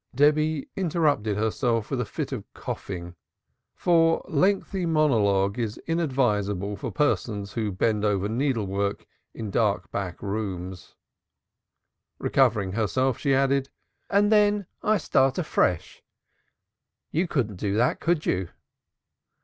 Debby interrupted herself with a fit of coughing, for lengthy monologue is inadvisable for persons who bend over needle work in dark back rooms. Recovering herself, she added, "And then I start afresh. You couldn't do that, could you?"